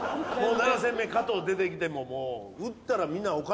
７戦目加藤出てきてももう。